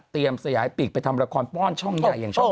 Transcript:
สยายปีกไปทำละครป้อนช่องใหญ่อย่างช่อง